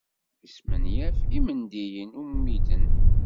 Yesmenyaf imendiyen ummiden.